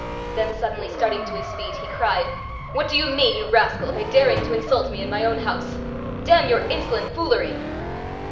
Then suddenly starting to his feet, he cried, "What do you mean, you rascal, by daring to insult me in my own house? Damn your insolent foolery!"